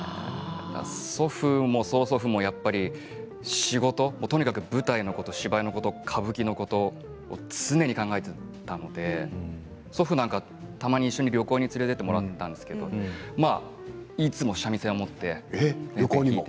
祖父も曽祖父もやっぱり仕事とにかく舞台のこと芝居のこと歌舞伎のことを常に考えていたので祖父なんかはたまに一緒に旅行に連れて行ってもらったんですけど旅行にも？